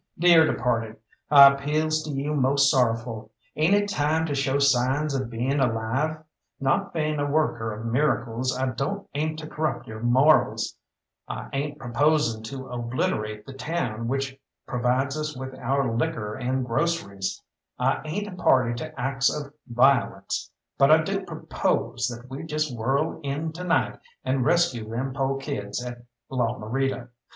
"Dear departed, I appeals to you most sorrowful ain't it time to show signs of being alive? Not being a worker of miracles, I don't aim to corrupt yo' morals, I ain't proposing to obliterate the town which provides us with our liquor and groceries, I ain't a party to acts of violence; but I do propose that we just whirl in to night and rescue them po' kids at La Morita.